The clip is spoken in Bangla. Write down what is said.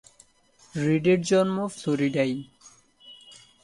রিডের জন্ম ফ্লোরিডায়।